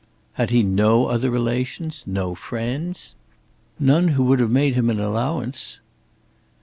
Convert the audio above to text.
"Had he no other relations, no friends?" "None who would have made him an allowance."